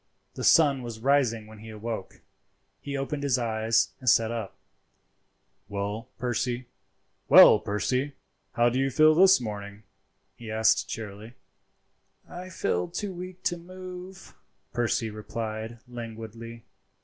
The sun was rising when he awoke. He opened his eyes and sat up. "Well, Percy, how do you feel this morning?" he asked cheerily. "I feel too weak to move," Percy replied languidly.